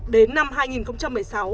đến năm hai nghìn một mươi sáu